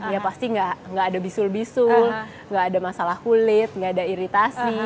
ya pasti nggak ada bisul bisul nggak ada masalah kulit nggak ada iritasi